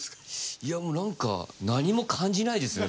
いやもう何か何も感じないですね